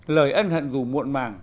lời ân hận dù muộn màng